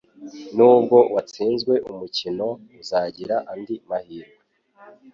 Nubwo watsinzwe umukino, uzagira andi mahirwe.